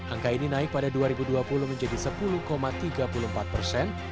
angka ini naik pada dua ribu dua puluh menjadi sepuluh tiga puluh empat persen